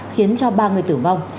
khiến cho ba người tử vong